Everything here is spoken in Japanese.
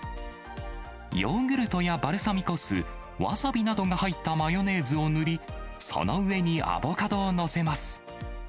ヨーグルトやバルサミコ酢、わさびなどが入ったマヨネーズを塗り、その上にアボカドを載せます。